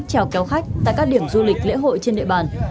trèo kéo khách tại các điểm du lịch lễ hội trên địa bàn